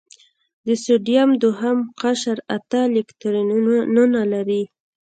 د سوډیم دوهم قشر اته الکترونونه لري.